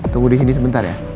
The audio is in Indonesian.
tunggu disini sebentar ya